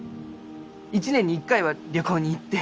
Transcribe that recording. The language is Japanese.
一年に一回は旅行に行って。